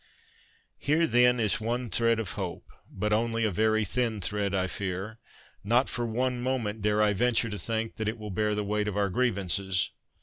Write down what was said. Here, then, is one thread of hope, but only a very thin thread, I fear. Not for one moment dare I venture to think that it will bear the weight of our grievances.